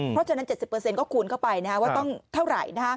เพราะฉะนั้น๗๐ก็คูณเข้าไปว่าต้องเท่าไหร่